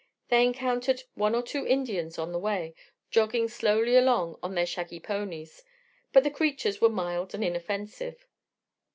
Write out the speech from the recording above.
They encountered one or two Indians on the way, jogging slowly along on their shaggy ponies; but the creatures were mild and inoffensive.